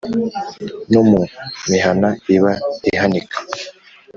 No mu mihana iba ihanika